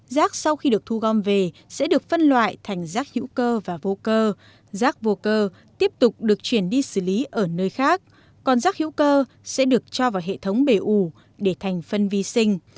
giác hữu cơ sẽ được cho vào hệ thống bề ủ để thành phân vi sinh